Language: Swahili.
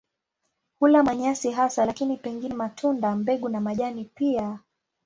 Hula manyasi hasa lakini pengine matunda, mbegu na majani pia.